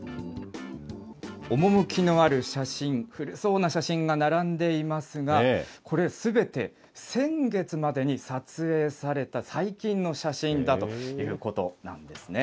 趣のある写真、古そうな写真が並んでいますが、これ、すべて先月までに撮影された最近の写真だということなんですね。